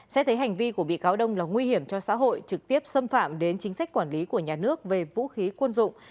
xét thấy hành vi của bị cáo đông là nguy hiểm cho xã hội trực tiếp xâm phạm đến chính sách quản lý của nhà nước về vũ khí quân dụng